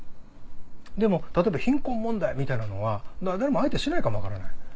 でも例えば貧困問題みたいなのは誰も相手しないかも分からない。